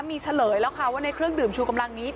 มีเฉลยแล้วค่ะว่าในเครื่องดื่มชูกำลังนี้